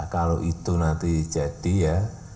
kalau itu nanti jadi ya